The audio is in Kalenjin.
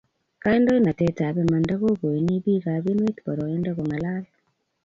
kandoinatet ab imanda ko koini bik ab emet boroindo ko ng'alal